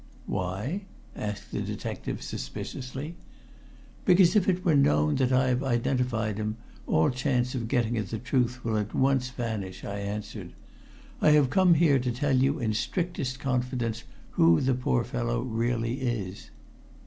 "Why?" asked the detective suspiciously. "Because if it were known that I have identified him, all chance of getting at the truth will at once vanish," I answered. "I have come here to tell you in strictest confidence who the poor fellow really is."